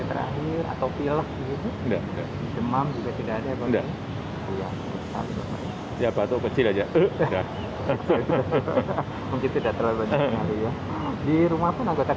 terdiri dari vaksin dari sinovac